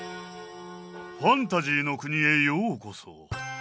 ファンタジーの国へようこそ！